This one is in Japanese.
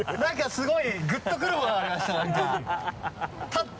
すごいグッとくるものがありました。